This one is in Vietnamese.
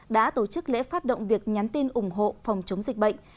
đã tổ chức lễ phát động việc nhắn tin ủng hộ phòng chống dịch bệnh